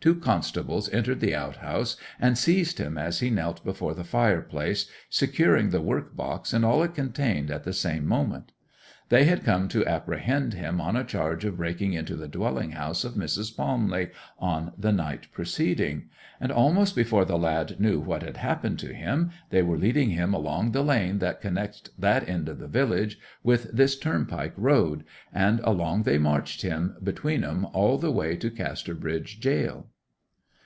Two constables entered the out house, and seized him as he knelt before the fireplace, securing the work box and all it contained at the same moment. They had come to apprehend him on a charge of breaking into the dwelling house of Mrs. Palmley on the night preceding; and almost before the lad knew what had happened to him they were leading him along the lane that connects that end of the village with this turnpike road, and along they marched him between 'em all the way to Casterbridge jail.